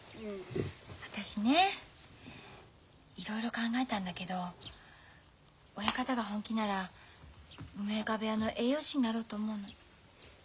私ねいろいろ考えたんだけど親方が本気なら梅若部屋の栄養士になろうと思うの。